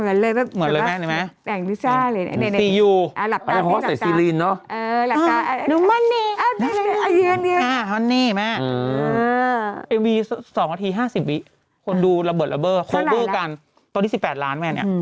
อืมอืมอืมอืมอืม